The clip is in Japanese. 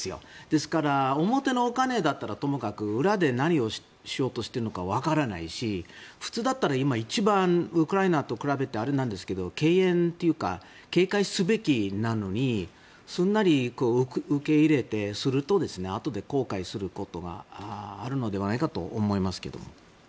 ですから表のお金だったらともかく裏で何をしようとしているのかわからないし普通だったら今一番ウクライナと比べてあれなんですが敬遠というか警戒すべきなのにすんなり受け入れてするとあとで後悔することがあるのではないかと思いますけども。